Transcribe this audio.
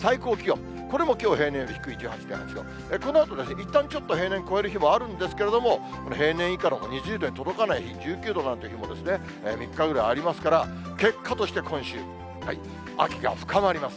これもきょう、平年より低い１８．８度、このあといったんちょっと平年超える日もあるんですけれども、平年以下の２０度に届かない日、１９度なんていう日も３日ぐらいありますから、結果として今週、秋が深まります。